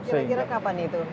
kira kira kapan itu